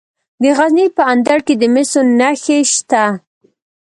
د غزني په اندړ کې د مسو نښې شته.